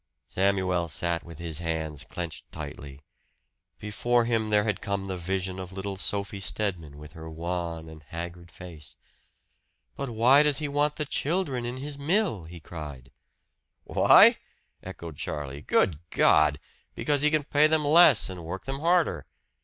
Samuel sat with his hands clenched tightly. Before him there had come the vision of little Sophie Stedman with her wan and haggard face! "But why does he want the children in his mill?" he cried. "Why?" echoed Charlie. "Good God! Because he can pay them less and work them harder.